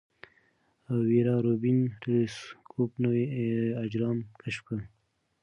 ویرا روبین ټیلسکوپ نوي اجرام کشف کړل.